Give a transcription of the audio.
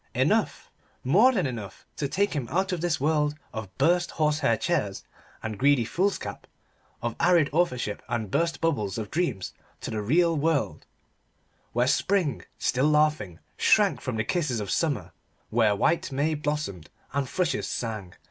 Enough, more than enough, to take him out of this world of burst horsehair chairs and greedy foolscap, of arid authorship and burst bubbles of dreams to the real world, where spring, still laughing, shrank from the kisses of summer, where white may blossomed and thrushes sang.